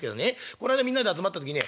この間みんなで集まった時ね